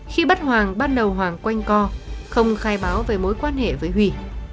khi bắt hoàng ban đầu hoàng quanh co không khai báo về mối quan hệ với huy